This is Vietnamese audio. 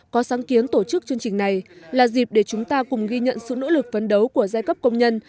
có sáng kiến tổ chức chương trình này là dịp để chúng ta cùng ghi nhận sự nỗ lực phấn đấu của giai cấp công nhân